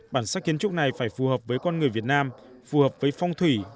bản sắc kiến trúc này phải phù hợp với con người việt nam phù hợp với phong thủy